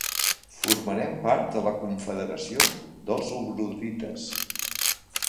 Formaren part de la confederació dels obodrites.